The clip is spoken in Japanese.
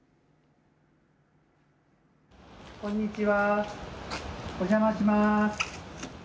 こんにちは、お邪魔します。